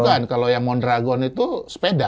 bukan kalau yang mondragon itu sepeda